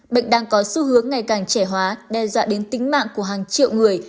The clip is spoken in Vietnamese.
bệnh đang có xu hướng ngày càng trẻ hóa đe dọa đến tính mạng của hàng triệu người